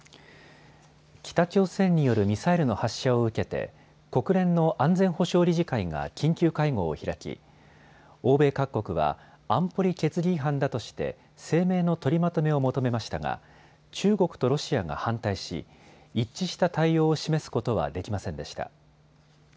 北朝鮮によるミサイルの発射を受けて国連の安全保障理事会が緊急会合を開き、欧米各国は安保理決議違反だとして声明の取りまとめを求めましたが中国とロシアが反対し一致した対応を示すことはできませんでした。